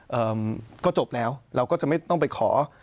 เอ่อก็จบแล้วเราก็จะไม่ต้องไปขอ